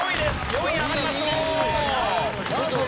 ４位に上がりましょう。